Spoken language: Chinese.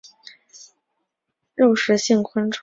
螳䗛是螳䗛目下的肉食性昆虫。